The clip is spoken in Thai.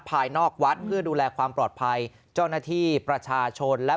ภายนอกวัดเพื่อดูแลความปลอดภัยเจ้าหน้าที่ประชาชนและ